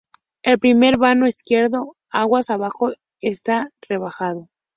El primer vano izquierdo aguas abajo está rebajado.